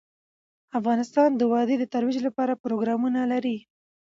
افغانستان د وادي د ترویج لپاره پروګرامونه لري.